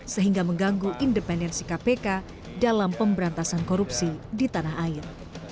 sehingga mengganggu independensi kpk dalam pemberantasan korupsi di tanah air